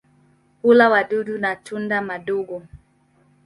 Hula wadudu na tunda madogo.